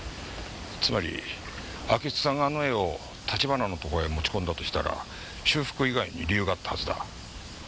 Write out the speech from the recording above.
つまり安芸津さんがあの絵を橘のところへ持ち込んだとしたら修復以外に理由があったはずだ。